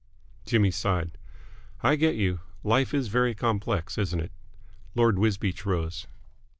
Jimmy sighed. "I get you. Life is very complex, isn't it?" Lord Wisbeach rose.